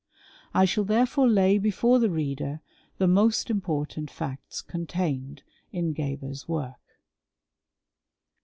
I shall therefore lay before the reader the most important facts contained in Geber's work.